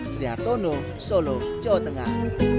surya tono solo jawa tengah